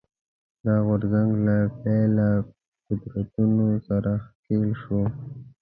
دا غورځنګ له پیله قدرتونو سره ښکېل شو